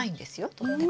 とっても。